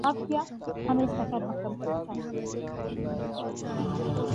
اوریہ وہ جو اتا ترک ترکی میں لایا۔